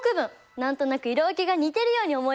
何となく色分けが似てるように思います。